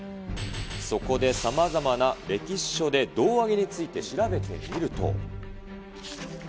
そこでさまざまな歴史書で胴上げについて調べてみると。